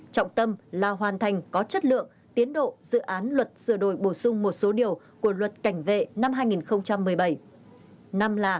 trọng tâm là hoàn thành có chất lượng tiến độ dự án luật sửa đổi bổ sung một số điều của luật cảnh vệ năm hai nghìn một mươi bảy